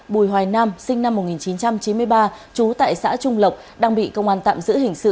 bùi hoài nam sinh năm một nghìn chín trăm chín mươi ba trú tại xã trung lộc đang bị công an tạm giữ hình sự